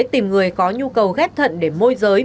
tìm người có nhu cầu ghép thận để môi giới